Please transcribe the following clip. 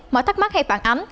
mở thắc mắc hay phản ánh